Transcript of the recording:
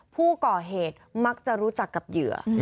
ผู้ก่อเหตุมักจะรู้จักกับเหยื่อ